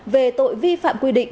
về tội vi phạm quy định